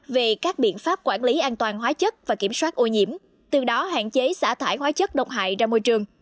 về các biện pháp quản lý an toàn hóa chất và kiểm soát ô nhiễm từ đó hạn chế xả thải hóa chất độc hại ra môi trường